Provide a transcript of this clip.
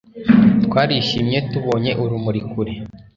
Twarishimye tubonye urumuri kure